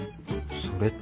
それって。